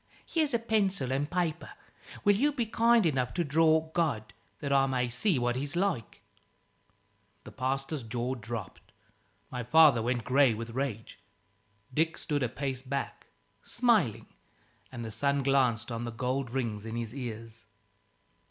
Here's a pencil and paper. Will you be kind enough to draw God? that I may see what he's like." The pastor's jaw dropped. My father went grey with rage. Dick stood a pace back, smiling; and the sun glanced on the gold rings in his ears.